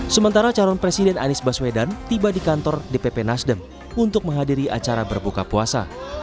sementara calon presiden anies baswedan tiba di kantor dpp nasdem untuk menghadiri acara berbuka puasa